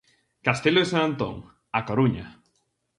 Castelo de San Antón, A Coruña.